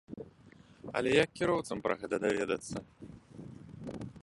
Але як кіроўцам пра гэта даведацца?